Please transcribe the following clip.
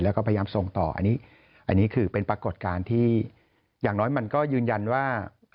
แล้วก็พยายามส่งต่ออันนี้อันนี้คือเป็นปรากฏการณ์ที่อย่างน้อยมันก็ยืนยันว่า